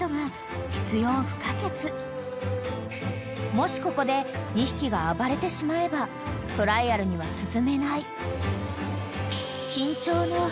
［もしここで２匹が暴れてしまえばトライアルには進めない］